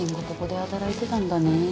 ここで働いてたんだね